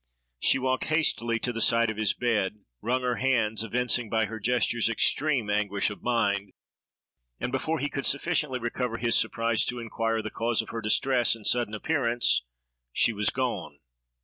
She walked hastily to the side of his bed, wrung her hands, evincing by her gestures extreme anguish of mind, and before he could sufficiently recover his surprise to inquire the cause of her distress and sudden appearance, she was gone.